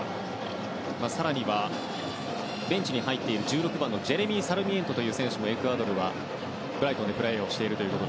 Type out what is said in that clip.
更には、ベンチに入っている１６番、ジェレミー・サルミエントという選手もエクアドルはブライトンでプレーしていて。